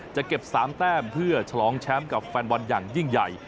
จะเก็บ๓แต้มเพื่อฉลองแชมป์กับแฟนบอลอย่างยิ่งใหญ่